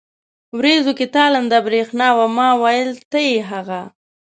ورېځو کې تالنده برېښنا وه، ما وېل ته يې هغه.